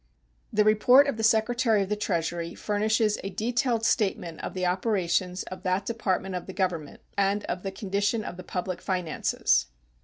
The report of the Secretary of the Treasury furnishes a detailed statement of the operations of that Department of the Government and of the condition of the public finances.